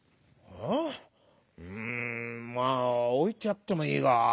「うんまあおいてやってもいいが」。